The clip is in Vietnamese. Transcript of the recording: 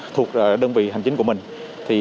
thuộc đơn vị hành chính của mình